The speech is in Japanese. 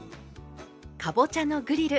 かぼちゃのグリル